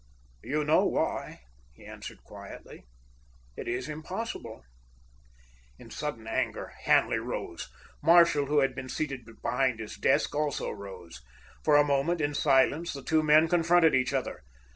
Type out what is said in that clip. "You know why," he answered quietly. "It is impossible." In sudden anger Hanley rose. Marshall, who had been seated behind his desk, also rose. For a moment, in silence, the two men confronted each other.